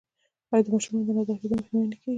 آیا د ماشومانو د نظر کیدو مخنیوی نه کیږي؟